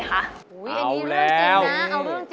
กลับไปก่อนเลยนะครับ